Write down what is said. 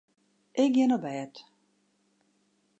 Ik gean op bêd.